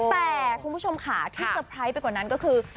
แต่คุณผู้ชมค่ะที่สเปรย์ไปกว่านั้นก็คือ